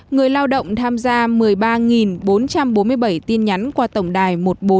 người lao động tham gia một mươi ba bốn trăm bốn mươi bảy tin nhắn qua tổng đài một nghìn bốn trăm bốn